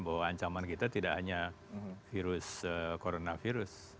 bahwa ancaman kita tidak hanya virus corona virus